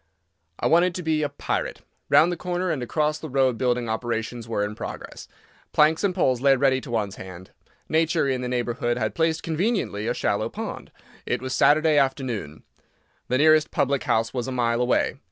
I wanted to be a pirate. Round the corner and across the road building operations were in progress. Planks and poles lay ready to one's hand. Nature, in the neighbourhood, had placed conveniently a shallow pond. It was Saturday afternoon. The nearest public house was a mile away.